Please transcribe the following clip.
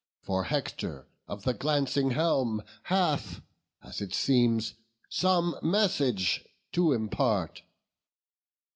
for Hector of the glancing helm Hath, as it seems, some message to impart."